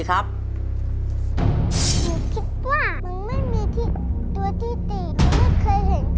มึงไม่เคยเห็นค่ะ